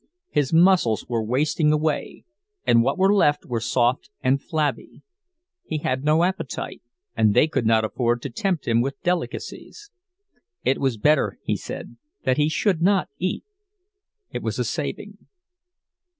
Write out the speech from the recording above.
His muscles were wasting away, and what were left were soft and flabby. He had no appetite, and they could not afford to tempt him with delicacies. It was better, he said, that he should not eat, it was a saving.